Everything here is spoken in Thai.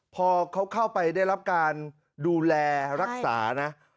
พอเขาเข้าไปได้รับการดูแลรักษานะ